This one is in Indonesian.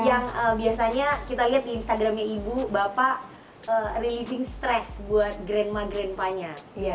yang biasanya kita lihat instagramnya ibu bapak releasing stress buat grandma grandpanya